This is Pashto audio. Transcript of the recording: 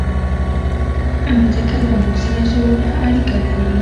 مځکه له موږ سره ژوره اړیکه لري.